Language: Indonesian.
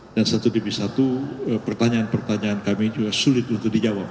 dan satu demi satu pertanyaan pertanyaan kami juga sulit untuk dijawab